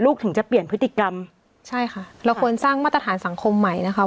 ถึงจะเปลี่ยนพฤติกรรมใช่ค่ะเราควรสร้างมาตรฐานสังคมใหม่นะคะ